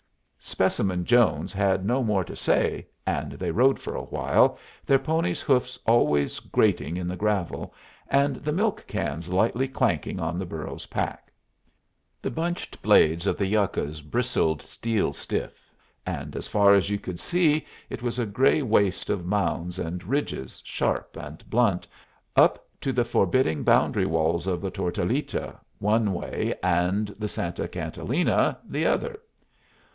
Specimen Jones had no more to say, and they rode for a while, their ponies' hoofs always grating in the gravel, and the milk cans lightly clanking on the burro's pack. The bunched blades of the yuccas bristled steel stiff, and as far as you could see it was a gray waste of mounds and ridges sharp and blunt, up to the forbidding boundary walls of the Tortilita one way and the Santa Catalina the other.